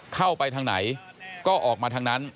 เข้าไปทางไหนก็ออกมาทางนั้น